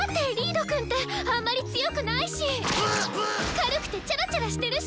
軽くてチャラチャラしてるし！